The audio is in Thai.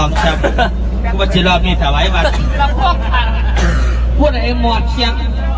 มาจากวันไหนไม่ต้องเป็นโรงเฉีย